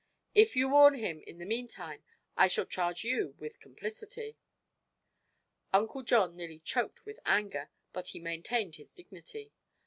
"If you warn him, in the meantime, I shall charge you with complicity." Uncle John nearly choked with anger, but he maintained his dignity.